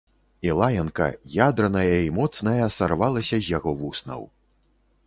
І лаянка, ядраная і моцная, сарвалася з яго вуснаў.